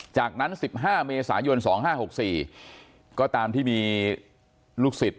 จากนั้น๑๕เมษายน๒๕๖๔ก็ตามที่มีลูกศิษย์